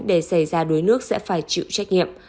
để xảy ra đuối nước sẽ phải chịu trách nhiệm